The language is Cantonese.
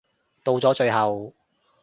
到咗最後